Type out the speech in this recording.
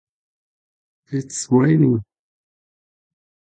It's raining.